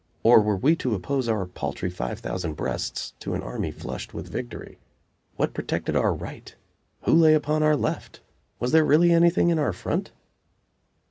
or were we to oppose our paltry five thousand breasts to an army flushed with victory? What protected our right? Who lay upon our left? Was there really anything in our front?